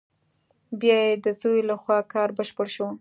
بیا یې د زوی له خوا کار بشپړ شو.